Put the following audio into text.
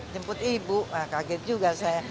jemput ibu kaget juga saya